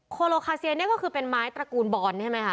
โคโลคาเซียนี่ก็คือเป็นไม้ตระกูลบอลใช่ไหมคะ